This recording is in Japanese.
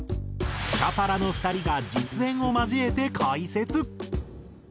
スカパラの２人が実演を交えて解説。